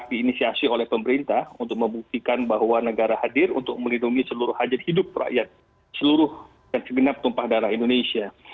inisiasi oleh pemerintah untuk membuktikan bahwa negara hadir untuk melindungi seluruh hajat hidup rakyat seluruh dan segenap tumpah darah indonesia